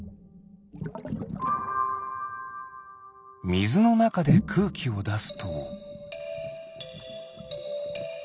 みずのなかでくうきをだすと。